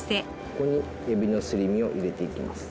ここにエビのすり身を入れていきます。